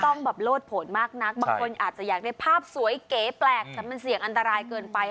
ต้องแบบโลดผลมากนักบางคนอาจจะอยากได้ภาพสวยเก๋แปลกแต่มันเสี่ยงอันตรายเกินไป